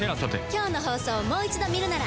今日の放送をもう一度見るなら。